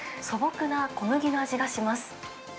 素朴な小麦の味がします。